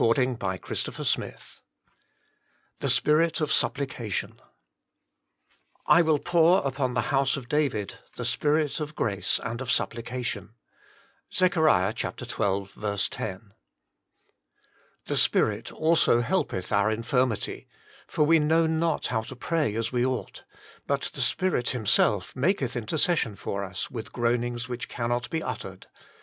A PLEA FOR MORE PRAYER CHAPTEE X Efje Spirit of Supplication "I will poor upon the house of David the Spirit of grace and of supplication." ZECH. xii. 10. "The Spirit also helpeth our infirmity; for we know not how to pray as we ought : hut the Spirit Himself maketh intercession for us with groanings which cannot he uttered.